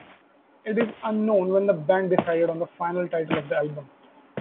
It is unknown when the band decided on the final title of the album.